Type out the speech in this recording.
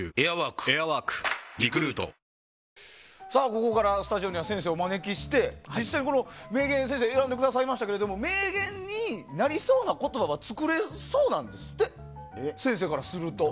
ここからスタジオには先生をお招きして実際に名言を先生が選んでくださいましたが名言になりそうな言葉は作れそうなんですって先生からすると。